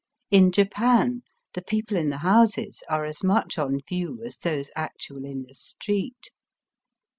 In Japan the people in the houses are as much on view as those actually in the street.